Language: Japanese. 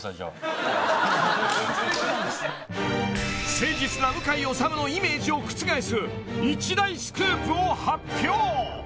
［誠実な向井理のイメージを覆す一大スクープを発表］